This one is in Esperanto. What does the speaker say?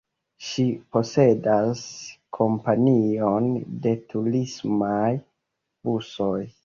Ŝi posedas kompanion de turismaj busoj.